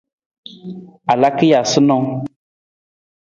A laka ja sanang ?